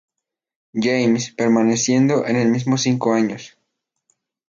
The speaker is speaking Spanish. James, permaneciendo en el mismo cinco años.